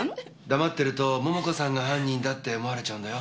黙ってると桃子さんが犯人だって思われちゃうんだよ。